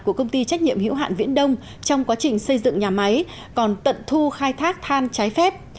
của công ty trách nhiệm hữu hạn viễn đông trong quá trình xây dựng nhà máy còn tận thu khai thác than trái phép